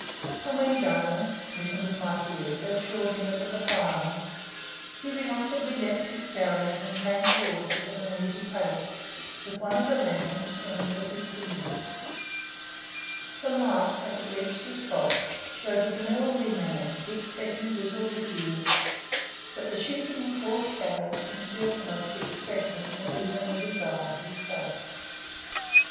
And when Jones, smitten with my theory, had assured him that it was a fireman, he reluctantly left his scouring and came towards us at an easy pace, with one of the lanterns swinging from his finger. The light, as it reached the spot, showed us an elderly man, thick set, and grizzled with years; but the shifting and coarse shadows concealed from us the expression and even the design of his face.